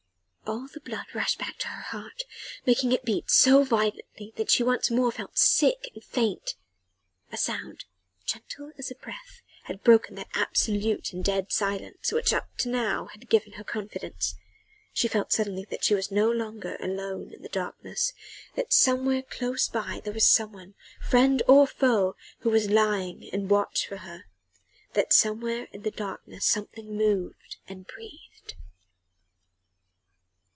All the blood rushed back to her heart, making it beat so violently that she once more felt sick and faint. A sound gentle as a breath had broken that absolute and dead silence which up to now had given her confidence. She felt suddenly that she was no longer alone in the darkness that somewhere close by there was some one friend or foe who was lying in watch for her that somewhere in the darkness something moved and breathed.